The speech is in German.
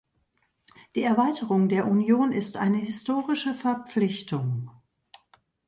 Die Erweiterung der Union ist eine historische Verpflichtung.